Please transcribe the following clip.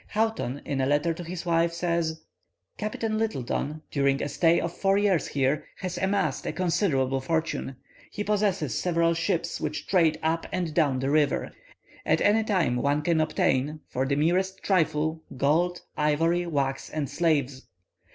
Houghton, in a letter to his wife, says, "Captain Littleton, during a stay of four years here, has amassed a considerable fortune. He possesses several ships which trade up and down the river. At any time one can obtain, for the merest trifle, gold, ivory, wax, and slaves.